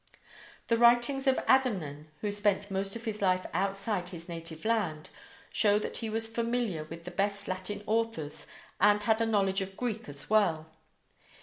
The writings of Adamnan, who spent most of his life outside his native land, show that he was familiar with the best Latin authors, and had a knowledge of Greek as well.